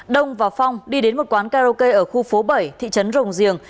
đông và phong đi đến một quán karaoke ở khu phố bảy thị trấn rồng giềng